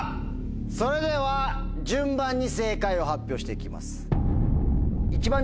⁉それでは順番に正解を発表して行きます。